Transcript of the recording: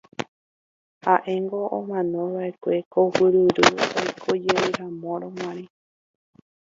Ha'éngo omanova'ekue ku guyryry oikojeyramoguare.